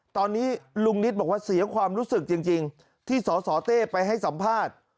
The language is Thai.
ตอนนี้ลุงนิตบอกว่าเสียความรู้สึกจริงที่สสเต้ไปให้สัมภาษณ์